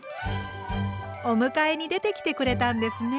お迎えに出てきてくれたんですね。